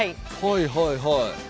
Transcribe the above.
はいはいはい。